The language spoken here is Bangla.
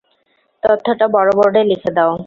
তথ্যটা বড় বোর্ডে লিখে দাও।